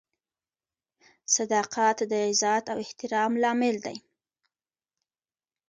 • صداقت د عزت او احترام لامل دی.